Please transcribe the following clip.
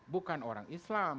bukan orang islam